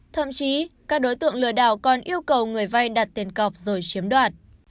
thậm chí các đối tượng lừa đảo còn yêu cầu người vay đặt tiền cọc rồi chiếm đoạt